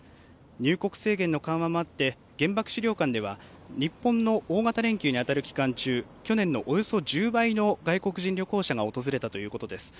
入国制限の緩和もあって原爆資料館では日本の大型連休に当たる期間中去年のおよそ１０倍の外国人旅行者が訪れたということです。